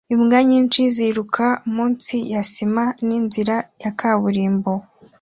Imbwa nyinshi ziruka munsi ya sima n'inzira ya kaburimbo